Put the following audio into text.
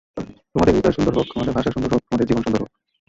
তোমাদের হৃদয় সুন্দর হোক, তোমাদের ভাষা সুন্দর হোক, তোমাদের জীবন সুন্দর হোক।